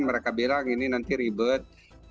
mereka bilang ini nanti ribet